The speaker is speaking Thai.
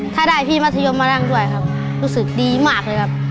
ถ้าได้พี่มัธยมมานั่งด้วยครับรู้สึกดีมากเลยครับ